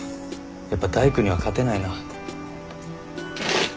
やっぱ大工には勝てないな。